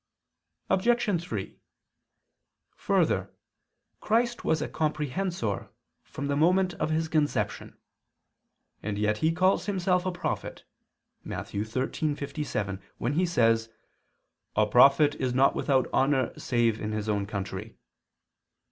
Obj. 3: Further, Christ was a comprehensor from the moment of His conception; and yet He calls Himself a prophet (Matt. 13:57), when He says: "A prophet is not without honor, save in his own country."